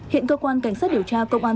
hiện cơ quan cảnh sát điều tra công an